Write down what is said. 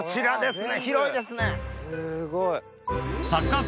すごい。